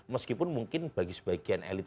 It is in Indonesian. meskipun mungkin bagi sebagian elit